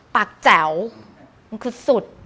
ปากแจ๋วมันคือสุด